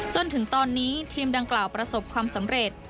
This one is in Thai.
จนถึงตอนนี้ทีมดังกล่าวประสบความสำเร็จ